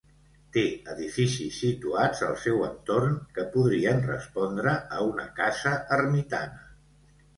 Té edificis situats al seu entorn que podrien respondre a una casa ermitana.